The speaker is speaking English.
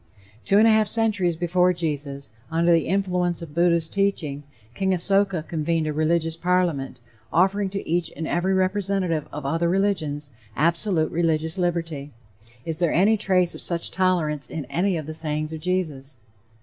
Two and a half centuries before Jesus, under the influence of Buddha's teaching, King Asoka convened a religious Parliament, offering to each and every representative of other religions, absolute religious liberty. Is there any trace of such tolerance in any of the sayings of Jesus?